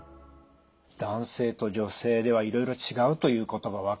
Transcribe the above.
男性と女性ではいろいろ違うということが分かりました。